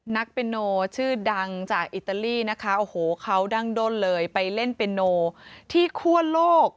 นักเตะโนชื่อดังจากอิตาลีนะคะโอ้โหเขาดั้งด้นเลยไปเล่นเป็นโนที่คั่วโลก